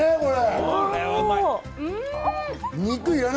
これ！